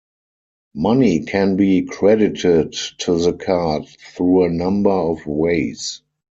Money can be credited to the card through a number of ways.